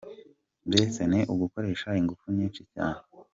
Mbese ni ugukoresha ingufu nyinshi cyane.